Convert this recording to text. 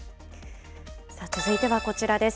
続いてはこちらです。